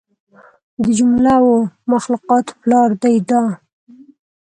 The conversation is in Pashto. د جمله و مخلوقاتو پلار دى دا.